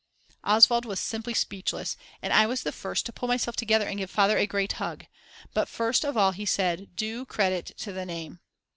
Oswald was simply speechless and I was the first to pull myself together and give Father a great hug. But first of all he said: "Do credit to the name."